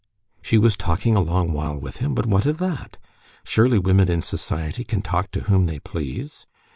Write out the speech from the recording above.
She was talking a long while with him. But what of that? Surely women in society can talk to whom they please.